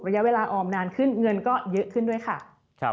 ระยะเวลาออมนานขึ้นเงินก็เยอะขึ้นด้วยค่ะ